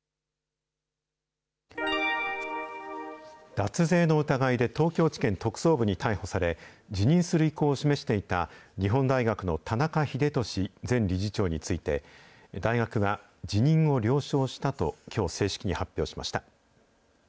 脱税の疑いで東京地検特捜部に逮捕され、辞任する意向を示していた、日本大学の田中英壽前理事長について、大学は、辞任を了承したときょう正式に発表しました。